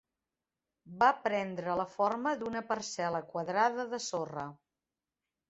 Va prendre la forma d'una parcel·la quadrada de sorra.